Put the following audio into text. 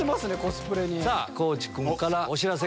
さぁ地君からお知らせが。